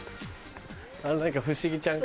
不思議ちゃんか。